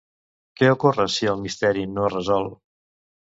Què ocorre si el misteri no es resol?